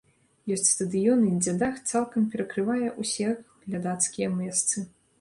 Ёсць стадыёны, дзе дах цалкам перакрывае ўсе глядацкія месцы.